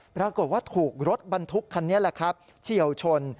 ปรากฏว่าถูกรถบรรทุกคันนี้แหละครับเฉียวชน